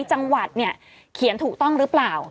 จังหวัดเนี่ยเขียนถูกต้องหรือเปล่า